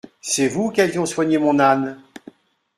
C'est vous qu'avions soigné mon âne.